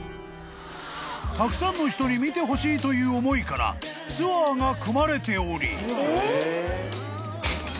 ［たくさんの人に見てほしいという思いからツアーが組まれており］